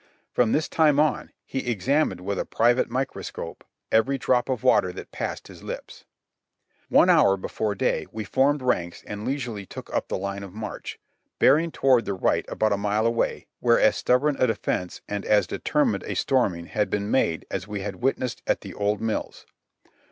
From this time on he examined with a private microscope every drop of water that passed his lips. One hour before day we formed ranks and leisurely took up the line of march, bearing toward the right about a mile away, where as stubborn a defense and as determined a storming had been made as we had witnessed at the Old Mills.